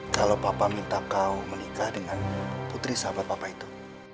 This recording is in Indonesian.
kalau papa minta kau menikah dengan putri sahabat papa itu